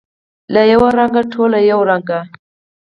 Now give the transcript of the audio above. له یوه رنګه، ټوله یو رنګه